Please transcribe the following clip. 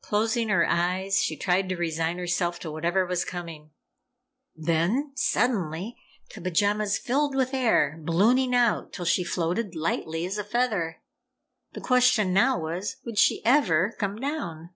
Closing her eyes, she tried to resign herself to whatever was coming. Then, suddenly, the pajamas filled with air, ballooning out till she floated lightly as a feather. The question now was would she ever come down?